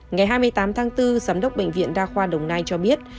ngày hai mươi tám tháng bốn giám đốc bệnh viện đa khoa đồng nai cho biết